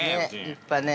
◆立派ね。